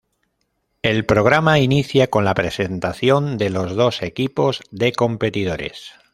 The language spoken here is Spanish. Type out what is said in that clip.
El programa inicia con la presentación de los dos equipos de competidores.